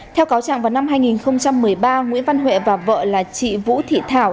theo cáo trạng vào năm hai nghìn một mươi ba nguyễn văn huệ và vợ là chị vũ thị thảo